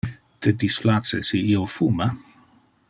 Te displace si io fuma?